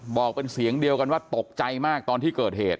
บอกเป็นเสียงเดียวกันว่าตกใจมากตอนที่เกิดเหตุ